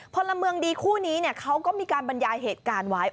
พลเมืองดีคู่นี้เขาก็มีการบรรยายเหตุการณ์ไว้